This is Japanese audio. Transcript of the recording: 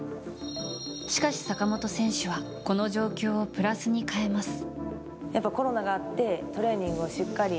しかし、坂本選手はこの状況をプラスに変えます。